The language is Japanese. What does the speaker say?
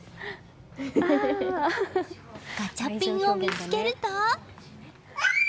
ガチャピンを見つけると。